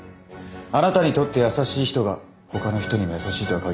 あなたにとって優しい人がほかの人にも優しいとは限らない。